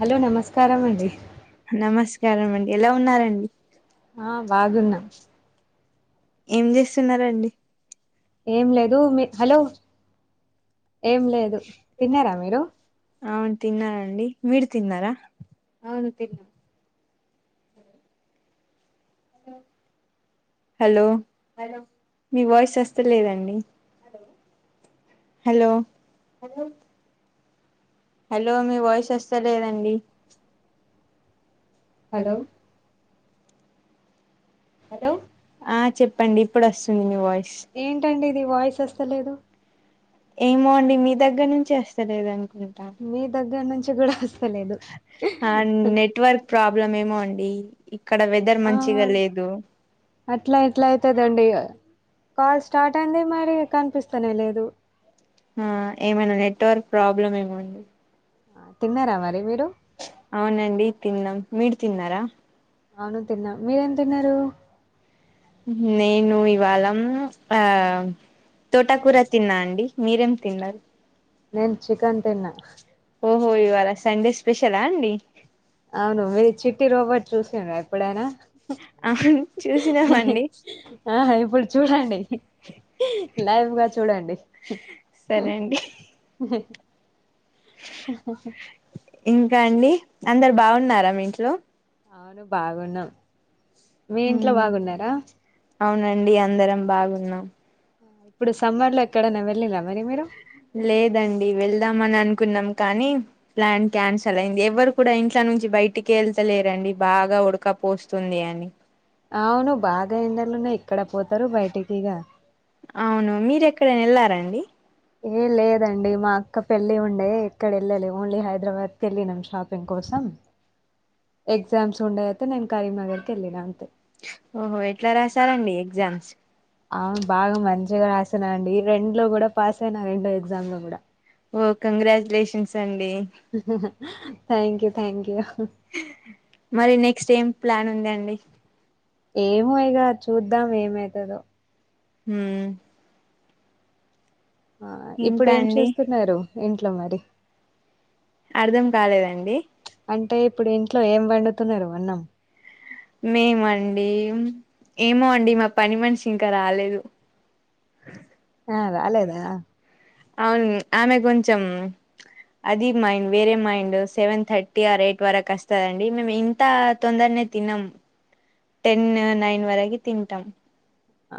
Hello నమస్కారం అండి స్కారమండి ఎలా ఉన్నారండి ఆ బాగున్న ఏం చేస్తున్నారండి ఏం లే దు మీ హలో ఏం లేదు తిన్నారా మీరు అవును తిన్నానండి మీరు తిన్నారా అవును తిన్న హలో హలో మీ వాయిస్ వస్తలేదండి హలో హలో మీ వాయిస్ వస్తాలేదండి హలో హలో ఆ చెప్పండి ఇప్పుడు వస్తుంది మీ వాయిస్ ఏంటండి ఇది వాయిస్ వస్తలేదు ఏమో అండి మీ దగ్గర నుంచి వస్తలేదు అండి మీ దగ్గర నుంచి కూడా వస్తలేదు ఆ నెట్ వర్క్ ప్రాబ్లం ఏమో అండి ఇక్కడ వెదర్ ఆ మంచిగా లేదు అట్లా ఎట్లా అయితదండి కాల్ స్టార్ట్ అయింది మరి కనిపిస్తానే లేదు ఆ ఏమైనా నెట్వర్క్ ప్రాబ్లం ఏమో అండి తిన్నారా మరి మీరు అవునండి తిన్నాం మీరు తిన్నారా అవును తిన్నా మీరేం తిన్నారు నేను ఇవాళ ఆ తోటకూర తిన్నా అండి మీరేం తిన్నారు నేను చికెన్ తిన్నా ఓ హో ఇవాళా సండే స్పెషల్ అండి అవును మీరు చిట్టి రోబో చూసారా ఎప్పుడైనా ఆహా చూసినాం మండి ఆ ఇప్పుడు చూడండి లైవ్గా చూడండి సరే అండి హ హ ఇంకా అండి అందరు బాగున్నారా మీ ఇంట్లో అవును బాగున్నాం మీ ఇంట్లో హ్మ్ బాగున్నారా అవునండి అందరం బాగున్నాం ఇప్పుడు సమ్మర్ లో ఎక్కడైన్నా వెళ్ళిరా మరి మీరు లేదండి వెళ్దామని అను కున్నాం కానీ ప్లాన్ క్యాన్సల్ అయింది ఎవరు కూడా ఇంట్ల నుంచి బయటికి వెళ్తలేరండి బాగా ఉడక పోస్తుంది అని అవును బాగా ఎండలున్నాయి ఏక్కడ పోతారు బయటికి ఇగ అవును మీరూ ఎక్కడైనా వెళ్లారండి ఏ లేదండి మా అక్క పెళ్ళి ఉండే ఎక్కడ వెళ్ళాలే ఓన్లీ హైదరాబాద్ కి వెళ్ళినాం షాపింగ్ కోసం ఎగ్జామ్స్ ఉండే అయితే నేను కరీంనగర్ కి వెళ్ళినా అంతే ఓహో ఎట్లా రాసారండి ఎగ్జామ్స్ అవును బాగా మంచిగా రాసిన అండి రెండు లో కూడా పాస్ అయిన రెండో ఎగ్జామ్ లో కూడా ఓ కంగ్రాచ్యులేషన్స్ అండి హా థ్యాంక్ యూ థ్యాంక్ యూ మరి నెక్స్ట్ ఏం ప్లాన్ ఉంది అండి ఏమో ఇగ చూద్దాం ఏమవుతదో ఊ ఆ ఇప్పుడు ఇంకా ఏం అండి చేస్తున్నారు ఇంట్లో మరి అర్ధం కాలేదండి అంటే ఇప్పుడు ఇంట్లో ఏం వండుతున్నారు అన్నాం మేమండి ఏమో అండి మా పని మనిషి ఇంకా రాలేదు ఆ రాలేదా? అవును ఆమె కొంచం అది మైండ్ వేరే mind seven thirty or eight వరకు వస్తదండి మేము ఇంత తొందర తినం టెన్ నైన్ వరకు తింటం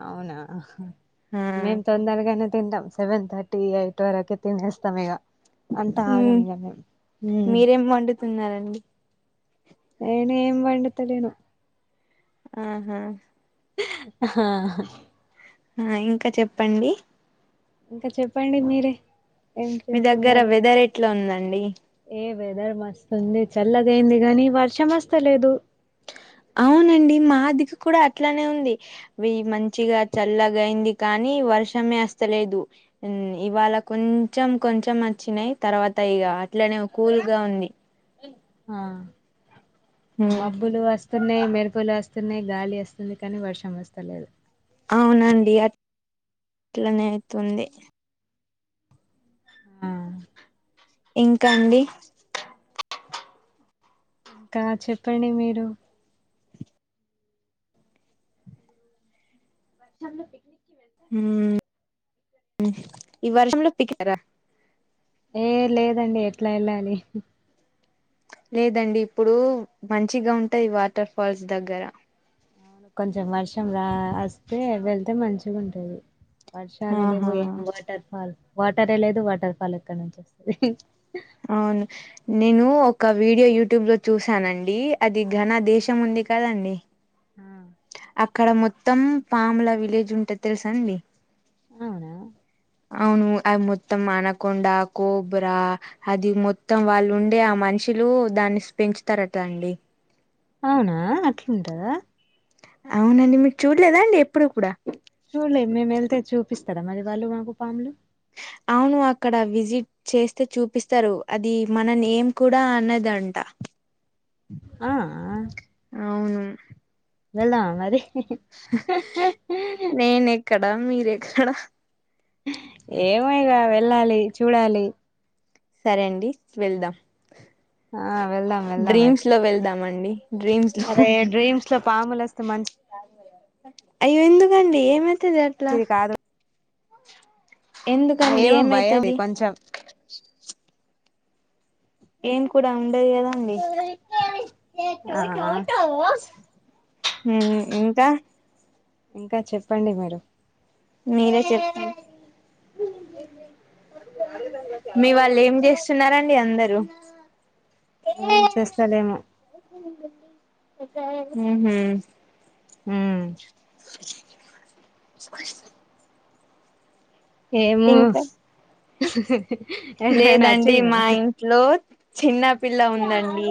అవునా? మేము తొందరగానే తింటాం సెవెన్ థర్టీ ఎయిట్ వరకె తినేస్తాం ఇక అంత ఆగంగా మ్మ్ మీరేం వండుతున్నారండి నేన్ ఎం వండతలేను ఆహా హ ఆ ఇంకా చెప్పండి ఇంకా చెప్పండి మీరే ఏం మీ దగ్గర చేస్తున్నారు వెదర్ ఎట్లా ఉందండి? ఏ వెదర్ మస్తుంది చల్లగా అయింది గాని వర్షం వస్తలేదు అవునండి మాది కూడా అట్లానే ఉంది ఇవి మంచిగా చల్లగా అయింది కానీ వర్షమేస్తలేదు ఇవాళ కొంచెం కొంచెం వచ్చినాయి తర్వాత ఇక అట్లనే కూల్గా ఉంది ఆ ఉమ్, మబ్బులు వస్తున్నాయి మెరుపులు వస్తున్నాయి గాలి వస్తుంది కానీ వర్షం వస్తలేదు అవునండి అట్లనే అయితుంది ఆ ఇంకా అండి కా చెప్పండి మీరు వర్షాంలో పక్నిక్కి [unintelligible] మ్మ్ ఈ వర్షం లో [inaudible] ఏ లేదండి ఎట్లా వెళ్ళాలి లేదండి ఇప్పుడు మంచిగా ఉంటాయి వాటర్ ఫాల్స్ దగ్గర కొంచెం వర్షం రా వస్తే వెళ్తే మంచిగా ఉంటుది వర్షాలే లేవు ఏం ఆహా వాటర్ ఫాల్ వాటరే లేదు వాటర్ ఫాల్ ఎక్కడ నుంచి వస్తుంది అవును నేను ఒక వీడియో యూట్యూబ్ లో చూశానండి అది ఘన దేశం ఉంది కదండి అక్కడ మొత్తం పాముల విలేజ్ ఉంటది తెలుసా అండి అవునా అవును అవి మొత్తం అనకొండ కోబ్రా అది మొత్తం వాళ్ళు ఉండే ఆ మనిషి లు దాన్ ఏసీ పెంచుతారట అండి అవునా? అట్లా ఉంటదా అవునండి మీరు చూడలేదా అండి ఎప్పుడు కూడా చూడలే మేము వెళ్తే చూపిస్తారా మరి వాళ్ళు మాకు పాములు అవును అక్కడ విజిట్ చేస్తే చూపిస్తారు అది మన నేమ్ కూడా అన్నదట ఆ అవును వెల్ దామా మరి? నేన్ ఎక్కడ మీర్ ఎక్కడ ఏమయగా వెళ్ళాలి చూడాలి సరే అండి వెళ్దాం ఆ వెళ్దాం వెళ్దాం మరి డ్రీమ్స్ లో వెళ్దామండి డ్రీమ్స్ లో అరే డ్రీమ్స్ లో పాములు వస్తే మంచి అయ్యో ఎందుకండి ఏమైతుది అట్లా మంచిది కాదు ఎందుకండి ఏమో భయం ఏమైతది కొంచెం ఏం కూర ఆ ఉమ్ ఇంకా ఇంకా చెప్పండి మీరు మీరే చెప్పాలి మీ వాళ్ళు ఏం జేస్తున్నారం అందరూ ఏం చేస్తలేేము ఉమ్ హూ ఉమ్ [inaudible] ఏమో ఇంకా ఎవరైనా లేదండి మా వచ్చిండ్రా ఇంట్లో చిన్నపిల్ల ఉందండి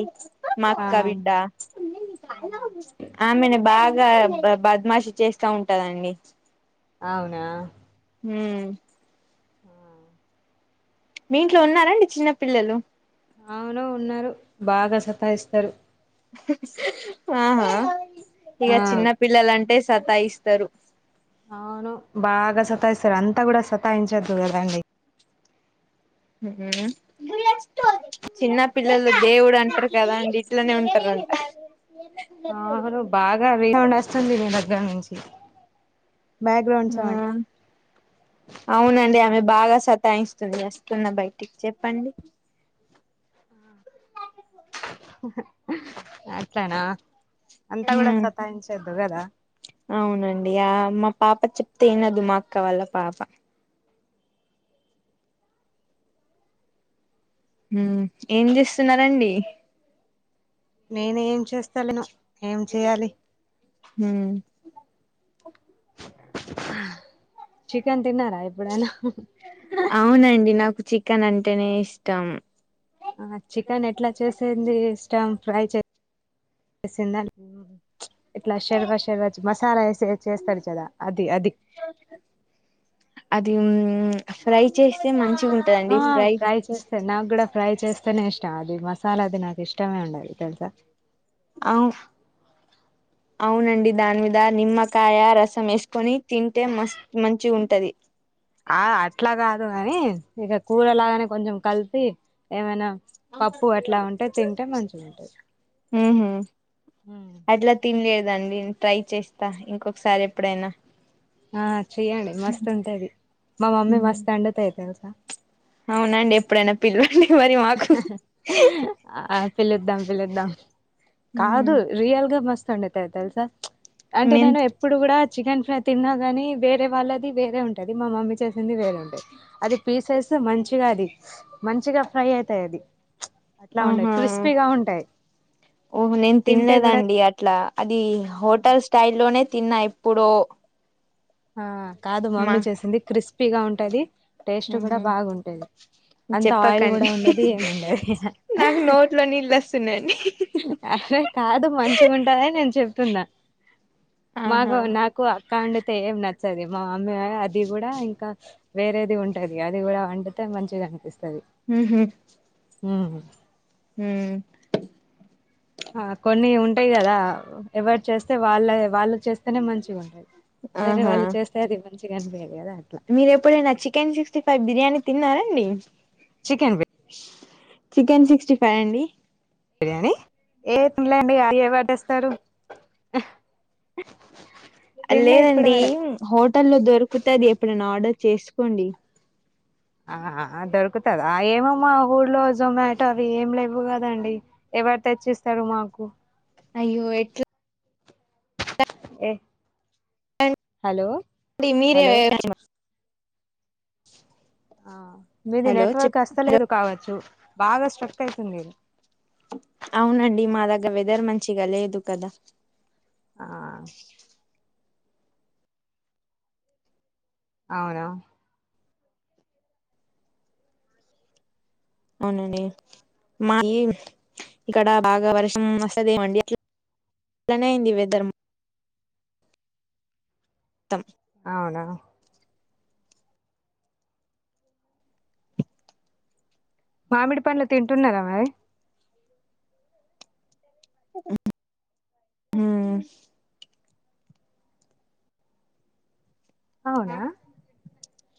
మా ఆ అక్క బిడ్డ ఆమెని బాగా గా బద్మాష్ చేస్తా ఉంటదండి అవునా ఉమ్ ఆ మీ ఇంట్లో ఉన్నారండి చిన్న పిల్లలు అవును ఉన్నారు బాగా సతాయిస్తారు ఆహా ఇగ ఆ చిన్న పిల్లలంటే సతాయిస్తారు అవును బాగా సతాయిస్తారు అంతా గూడా సతాయించొద్దు కదండి ఉమ్ హు చిన్న పిల్లలు దేవుడు అంటారు కదాండి ఇట్లనే ఉంటారు [inaudible] అవును బాగా రీ సౌండ్ వస్తుంది మీ దగ్గర నుంచి బ్యాక్గ్రౌండ్ సౌండ్ ఉమ్ అవునండి ఆమె బాగా సతాయిస్తుంది వస్తున్న బయటికి చెప్పండి అట్లనా అంతా కూడా ఉమ్ సతాయించొద్దు గదా అవునండి ఆ మా పాప చెప్తే ఇనదు మా అక్క వాళ్ళ పాప ఉమ్ ఏం జేస్తున్నారండి నేను ఏం చేస్తలేను ఉమ్ చికెన్ తిన్నార ఎప్పుడైన అవునండి నాకు చికెన్ అంటేనే ఇష్టం ఆ చికెన్ ఎట్లా చేసేంది ఇష్టం ఫ్రై చే చేసిందా ఇట్లా షర్వా షర్వా మసాలా వేసి చేస్తారు కదా అది అది [inaudible] హమ్ ఫ్రై చేస్తే మంచి ఆ ఫ్రై చేస్తే నాకు కూడా ఫ్రై చేస్తేనే ఇష్టం అది మసాలా అది నాకు ఇష్టం ఇష్టమే ఉండదు తెలుసా అమ్ [inaudible] అవునండి దాని మీద నిమ్మకాయ రసం యేసుకొని తింటే మస్ మంచిగుంటది ఆ అట్లా కాదు కాని ఇగ కూర లాగానే కొంచెం కలిపి ఏమైనా పప్పు అట్లా ఉంటే తింటే మంచి గుంటది ఉహు అట్లా తినలేదండి ట్రై చేస్తా ఇంకొకసారి ఎప్పుడైనా ఆ చెయ్యండి మస్తు ఉంటది మా మమ్మీ మస్తు వండుతాది తెలుసా అవునండి ఎప్పుడైనా పిలువ ఆ పిలుద్దాం పిలుద్దాం కాదు రియల్ గా మస్త్ వండతది తెల్సా అంటే మేం నేను ఎప్పుడు కూడా చికెన్ ఫ్రై తిన్నా కానీ వేరే వాళ్ళది వేరే ఉంటది మా మమ్మీ చేసింది వేరే ఉంటది అది పీసెస్ మంచిగా అది మంచిగా ఫ్రై అయితాయి అది అట్లా ఉమ్ ఉండయి హ్మ్ క్రిస్పీగా ఉంటాయి ఓహ నేను తింటే కూడా తినదండి అట్లా అది ఆ హోటల్ స్టైల్ లోనే తిన్న ఎప్పుడో ఆ కాదు మా మమ్మీ చేసింది క్రిస్పీగా ఉంటది టేస్ట్ కూడా ఉహు బాగుంటది అంత ఆయిల్ కూడా చెప్పకండి ఉండదు ఏముండదు ఇగ ఇల్ వస్ ఉన్నాని అరే కాదు మంచిగా ఉంటారని నేను చెప్తున్నా మాకు ఆహా నాకు అక్క వండితే ఏం నచ్చది మా మమ్మీ అది కూడా ఇంకా వేరేది ఉంటది అది కూడా వండితే మంచిగా అనిపిస్తది హ్మ్ హామ్ హ్మ్ హ్మ్ ఆ కొన్ని ఉంటాయి కదా ఎవరి చేస్తే వాళ్ళ వాళ్ళు చేస్తేనే మంచిగా ఉండది వేరే ఆహా వాళ్ళు చేస్తే అది మంచిగా అనిపయదు కదా అట్లా మీరు ఎప్పుడైనా చికెన్ సిక్స్టీ ఫైవ్ బిర్యానీ తిన్నారాండి చికెన్ బి చికెన్ సిక్స్టీ ఫైవ్ అండి బిర్యానీ ఏ తినలేండి ఏ ఇగ పడేస్తారు లేదండి హోటలో దొరకతాది ఎప్పుడైనా ఆర్డర్ చేసుకోండి ఆ హా దొరుకుతాద ఏమోమ్ మా ఊర్లో జొమాటో అవి ఏమి లేవు కదండి ఎవరు తెచ్చిస్తారు మాకు అయ్యో ఎట్లా ఏ [unintelligible] హలో మీరే హలో ఆ మీది హలో నెట్వర్క్ చెప్ హలో వస్తలేదు కావచ్చు బాగా స్ట్రక్ అయితుంది అవును అండి ద వెదర్ మంచిగా లేదు కదా ఆ అవునా అవునండి మా ఈ ఇక్కడ బాగా వర్షం వస్తదోమండి అట్లా అలనైంది వెదర్ త్తం అవునా మామిడి పండ్లు తింటున్నారా మరి హ్మ్ అవునా మామిడి పండ్లు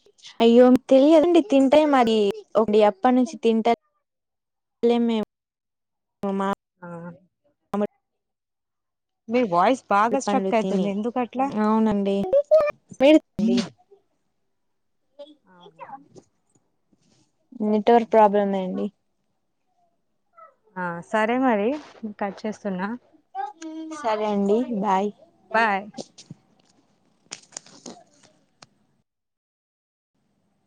తింటున్నారా అయ్యో తెలియదండి తింటా మరి ఒక అప్పటి నుంచి తింటారు ఏల లేము మా ఆ అమర్ మీ వాయిస్ బాగా స్ట్రక్ అయితుంది [unintelligible] ఎందుకట్లా అవునండి అవునా నెట్వర్క్ ప్రాబ్లమే అండి ఆ సరే మరి కట్ చేస్తున్నా సరే అండి బాయ్ బాయ్